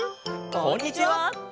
こんにちは！